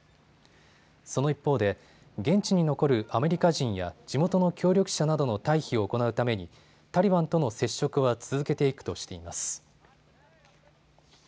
その一方で現地に残るアメリカ人や地元の協力者などの退避を行うためにタリバンとの接触は続けていくとしています。